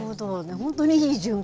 本当にいい循環。